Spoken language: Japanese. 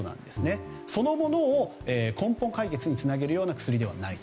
そのものを根本解決につなげるような薬ではない。